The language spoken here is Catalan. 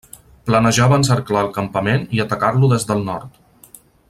Planejava encerclar el campament i atacar-lo des del nord.